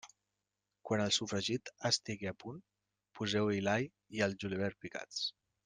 Quan el sofregit estigui a punt, poseu-hi l'all i el julivert picats.